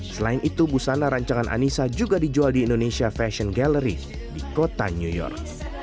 selain itu busana rancangan anissa juga dijual di indonesia fashion gallery di kota new york